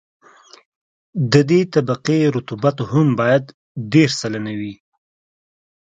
د دې طبقې رطوبت هم باید دېرش سلنه وي